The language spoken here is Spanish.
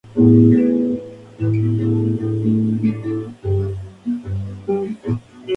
El equipo marcó varios podios esa temporada, pero no logró ganar ninguna carrera.